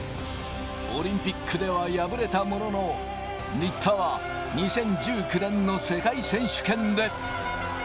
オリンピックでは敗れたものの、新田は２０１９年の世界選手権で。